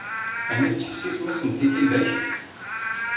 Ɛni tettḥessisem-asent i tidak?